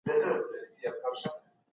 د پرديو افکارو زموږ پر ټولنه بد اغېز وکړ.